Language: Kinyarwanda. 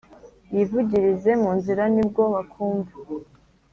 Yivugirize mu nzira nibwo bakumva